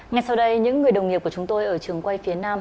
ngay sau đây những người đồng nghiệp của chúng tôi ở trường quay phía nam